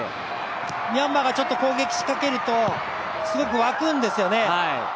ミャンマーが攻撃、仕掛けるとすごくわくんですよね。